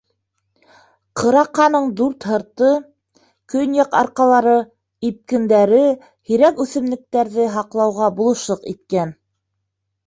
Ҡыраҡаның дүрт һырты, көньяҡ арҡалары, ипкендәре һирәк үҫемлектәрҙе һаҡлауға булышлыҡ иткән.